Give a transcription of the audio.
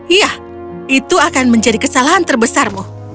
iya itu akan menjadi kesalahan terbesarmu